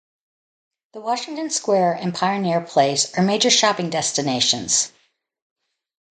The Washington Square and Pioneer Place are major shopping destinations.